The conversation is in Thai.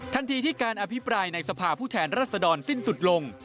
ทันทีที่การอภิปรายในสภาผู้แทนรัศดรสิ้นสุดลง